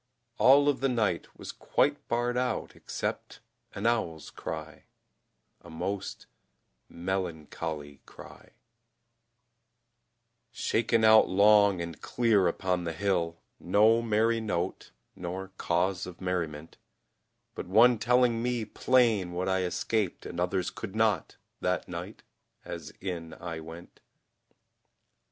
All of the night was quite barred out except An owl's cry, a most melancholy cry Shaken out long and clear upon the hill, No merry note, nor cause of merriment, But one telling me plain what I escaped And others could not, that night, as in I went.